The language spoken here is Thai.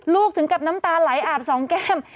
ถึงกับน้ำตาไหลอาบสองแก้ม